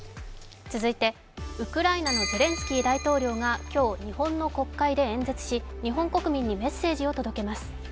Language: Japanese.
続いてウクライナのゼレンスキー大統領が今日、日本の国会で演説し日本国民にメッセージを届けます。